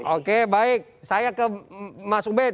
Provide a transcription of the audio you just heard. oke baik saya ke mas ubed